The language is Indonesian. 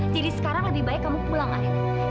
jadi sekarang lebih baik kamu pulang alena